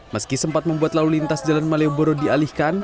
meski sempat membuat lalu lintas jalan malioboro dialihkan